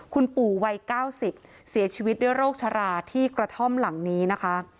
คุณปู่วัย๙๐เสียชีวิตด้วยโรคชราที่กระท่อมหลังนี้นะคะ